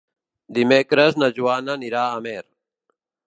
Dimecres na Joana anirà a Amer.